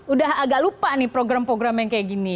udah agak lupa nih program program yang kayak gini